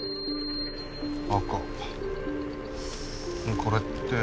赤これって。